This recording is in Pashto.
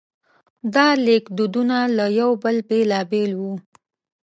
دا لیکدودونه له یو بل بېلابېل وو.